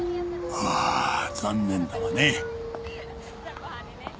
ああ残念だがね。